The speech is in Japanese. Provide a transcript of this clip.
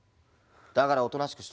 だからおとなしくしとけ。